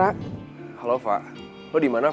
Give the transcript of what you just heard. aku mau mencoba